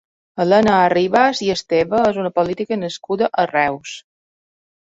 Helena Arribas i Esteve és una política nascuda a Reus.